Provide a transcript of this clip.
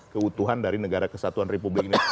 keutuhan dari negara kesatuan republik indonesia